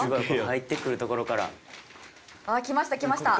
入ってくるところから。来ました来ました。